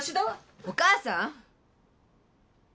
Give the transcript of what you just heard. お母さん！